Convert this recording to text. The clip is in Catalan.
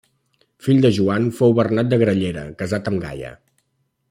Fill de Joan fou Bernat de Grallera, casat amb Gaia.